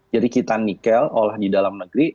jadi kita nikel olah di dalam negeri